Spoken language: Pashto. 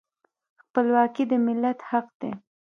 خپلواکي د ملت حق دی.